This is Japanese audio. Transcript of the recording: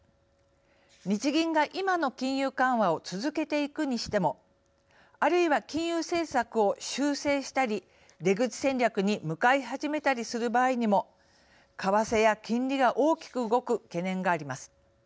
日銀が今の金融緩和を続けていくにしてもあるいは金融政策を修正したり出口戦略に向かい始めたりする場合にも為替や金利が大きく動く懸念があります。